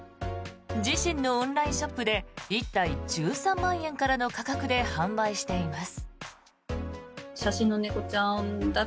自身のオンラインショップで１体１３万円からの価格で販売しています。